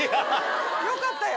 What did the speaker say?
よかったよ。